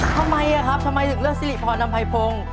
ทำไมครับทำไมถึงเลือกสิริพรอำไพพงศ์